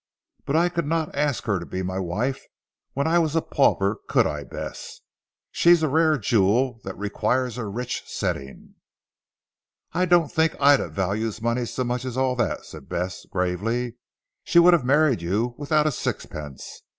But I could not ask her to be my wife when I was a pauper could I Bess? She's a rare jewel that requires a rich setting." "I don't think Ida values money so much as all that," said Bess gravely. "She would have married you without a sixpence.